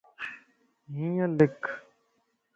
ھيَ لک